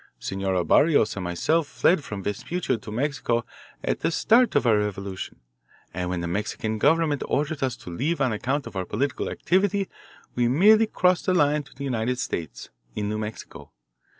Senora Barrios and myself fled from Vespuccia to Mexico at the start of our revolution, and when the Mexican government ordered us to leave on account of our political activity we merely crossed the line to the United States, in New Mexico.